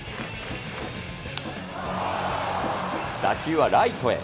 打球はライトへ。